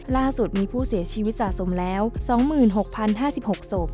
ล่าสุดมีผู้เสียชีวิตสะสมแล้ว๒๖๐๕๖ศพ